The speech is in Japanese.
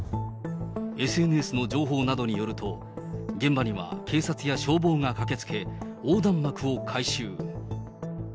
ＳＮＳの情報などによると、現場には警察や消防が駆けつけ、横断幕を回収。